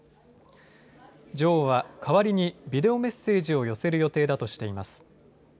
女王は代わりにビデオメッセージを寄せる予定だとしています。